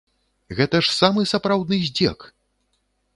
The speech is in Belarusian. Гэта ж самы сапраўдны здзек!